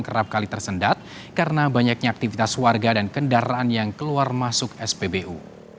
kerap kali tersendat karena banyaknya aktivitas warga dan kendaraan yang keluar masuk spbu